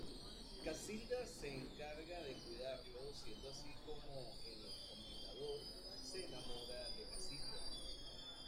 Casilda se encarga de cuidarlo siendo así como el Comendador se enamora de Casilda.